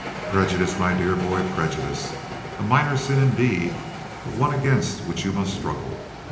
"Prejudice, my dear boy, prejudice. A minor sin indeed, but one against which you must struggle.